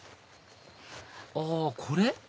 あこれ？